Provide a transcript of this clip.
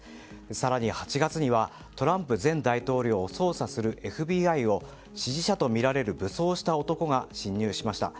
更に８月にはトランプ前大統領を捜査するＦＢＩを支持者とみられる武装した男が侵入しました。